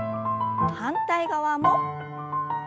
反対側も。